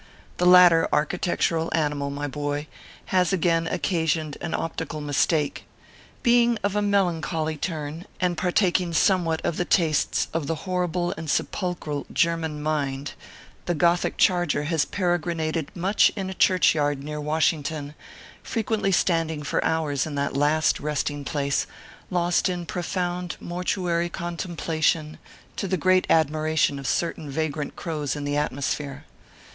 The latter architec tural animal, my boy, has again occasioned an optical mistake. Being of a melancholy turn, and partaking somewhat of the tastes of the horrible and sepulchral German Mind, the gothic charger has peregrinated ORPHEUS C. KERR PAPERS. 341 much in a churchyard near Washington, frequently standing for hours in that last resting place, lost in profound mortuary contemplation, to the great admi ration of certain vagrant crows in the atmosphere.